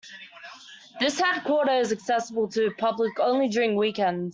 This headquarter is accessible to public only during weekends.